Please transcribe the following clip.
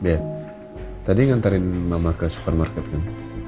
ya tadi nganterin mama ke supermarket kan